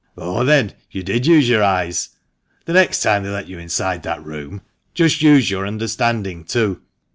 "Oh, then, you did use your eyes? The next time they let you inside that room, just use your understanding, too.